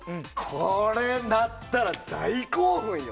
これ、鳴ったら大興奮よ。